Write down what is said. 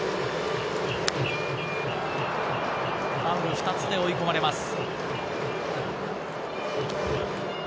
ファウル２つで追い込まれます。